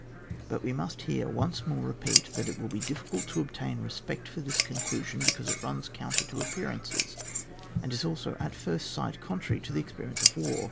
But we must here once more repeat that it will be difiicult to obtain respect for this conclusion, because it runs coun* ter to appearances, and is also, at first sight, contrary to the experience of war.